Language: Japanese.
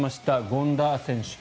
権田選手。